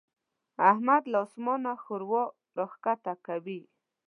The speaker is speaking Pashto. احمد له اسمانه ښوروا راکښته کوي.